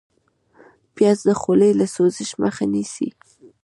پیاز د خولې له سوزش مخه نیسي